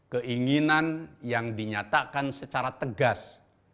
keinginan yang dinyatakan secara tegas